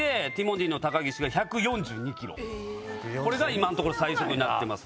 これが今のところ最速になってます。